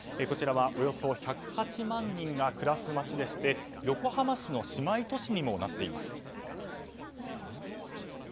こちらはおよそ１０８万人が暮らす街でして横浜市の姉妹都市にもなっています。